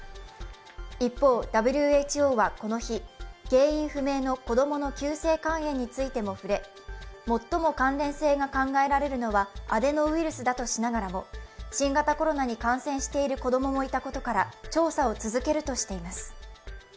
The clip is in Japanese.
一方、ＷＨＯはこの日原因不明の子供の急性肝炎について触れ最も関連性が考えられるのはアデノウイルスだとしながらも新型コロナに感染している子供もいたことから調査を続けるとしています。